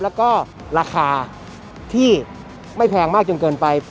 แล้วก็ราคาที่ไม่แพงมากจนเกินไป